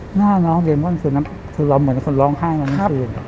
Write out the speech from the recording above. หน้าน้องเดมอนคือน้ำคือล้อมเหมือนคนร้องไห้เมื่อเมื่อคืน